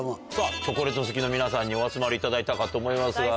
チョコレート好きの皆さんにお集まりいただいたかと思いますが。